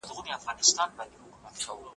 چي سترخوان یې په کلو وو غوړولی